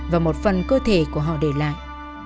và một phần cơ thể của họ để lại